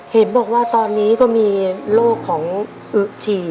เห็นบอกว่าตอนนี้ก็มีโรคของอึฉี่